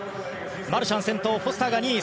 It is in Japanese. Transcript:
マルシャンが先頭フォスターが２位。